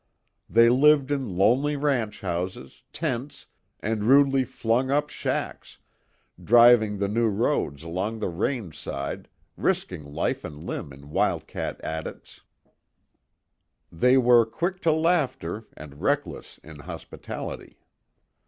They lived in lonely ranch houses, tents, and rudely flung up shacks; driving the new roads along the rangeside, risking life and limb in wild cat adits. They were quick to laughter and reckless in hospitality.